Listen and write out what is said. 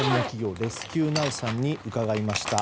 レスキューナウさんに伺いました。